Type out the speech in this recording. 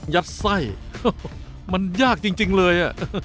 ยัดไส้มันยากจริงเลย